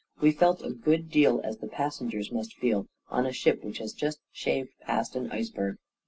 We felt a good deal as the passengers must feel on a ship which has just shaved past an ice berg.